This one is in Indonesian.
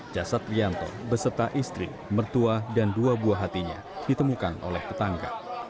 jasad rianto beserta istri mertua dan dua buah hatinya ditemukan oleh tetangga